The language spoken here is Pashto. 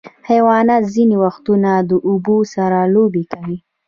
حیوانات ځینې وختونه د اوبو سره لوبې کوي.